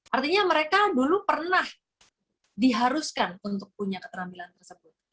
artinya mereka dulu pernah diharuskan untuk punya keterampilan tersebut